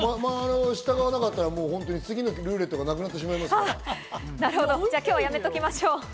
従わなかったら次のルーレットがじゃあ、今日はやめておきましょう。